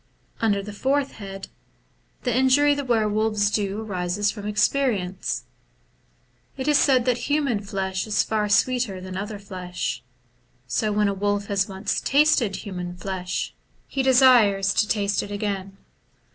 Under the fourth head, the injury the were wolves do arises from experience. It is said that human flesh is far sweeter than other flesh ; so when a wolf has once tasted human flesh, he desires to taste it again.